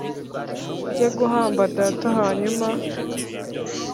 njye guhamba data hanyuma